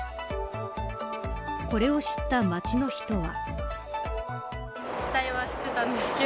これを知った街の人は。